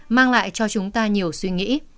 mang lại cho chúng ta nhiều suy nghĩ